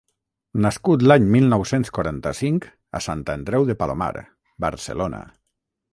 Nascut l'any mil nou-cents quaranta-cinc a Sant Andreu de Palomar, Barcelona.